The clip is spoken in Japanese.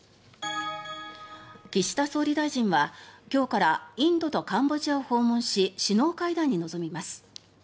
岸田総理大臣は今日からインドとカンボジアを訪問し、首脳会談に臨みます。